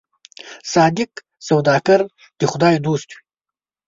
صادق سوداګر د خدای دوست دی.